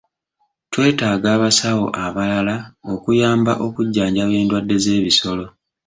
Twetaaga abasawo abalala okuyamba okujjanjaba endwadde z'ebisolo.